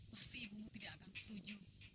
pasti ibumu tidak akan setuju